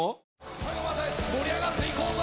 最後まで盛り上がって行こうぜ！